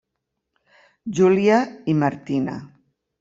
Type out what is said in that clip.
Júlia i Martina.